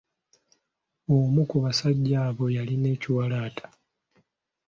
Omu ku basajja abo yalina ekiwalaata.